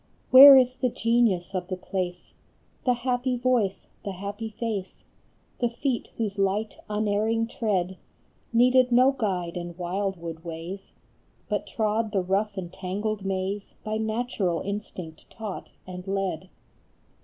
Where is the genius of the place, The happy voice, the happy face, The feet whose light, unerring tread Needed no guide in wildwood ways, But trod the rough and tangled maze By natural instinct taught and led?